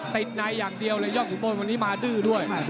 ติดในอย่างเดียวเลยยอดขุนพลวันนี้มาดื้อด้วย